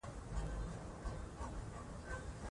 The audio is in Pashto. لوستې نجونې خپل ژوند ته پلان جوړوي.